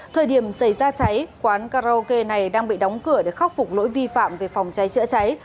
thời điểm xảy ra cháy quán karaoke này đang bị đóng cửa để khắc phục lỗi vi phạm về phòng cháy chữa cháy